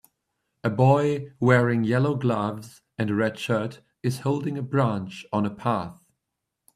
A boy wearing yellow gloves and a red shirt is holding a branch on a path.